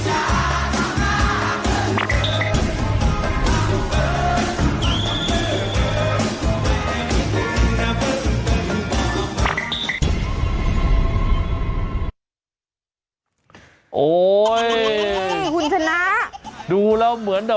จัดกระบวนพร้อมกัน